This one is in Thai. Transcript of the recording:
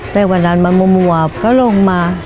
แต่วันนั้นมันมัวก็ลงมา